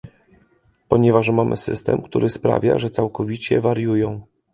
Ponieważ mamy system, który sprawia, że całkowicie wariują